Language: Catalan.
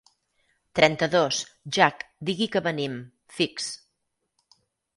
Trenta-dos «Jak, digui que venim, fix.